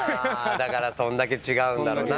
そんだけ違うんだろうな。